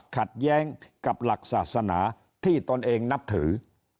ขัดแย้งกับหลักศาสนาที่ตนเองนับถือ